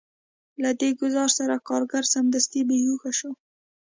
له دې ګزار سره کارګر سمدستي بې هوښه شو